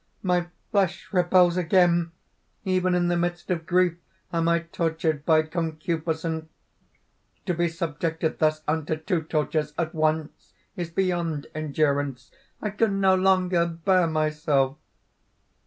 my flesh rebels again! Even in the midst of grief am I tortured by concupiscence. To be subjected thus unto two tortures at once is beyond endurance! I can no longer bear myself!"